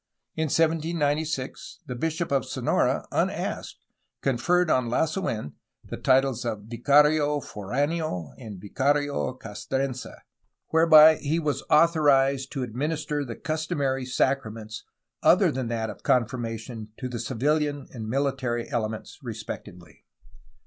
In 1796 the bishop of Sonora, unasked, conferred on Lasu^n the titles of Vicario Fordneo and Vicario Castrense, whereby he was authorized to administer the customary sacraments other than that of confirmation to the civihan and mihtary elements respectively.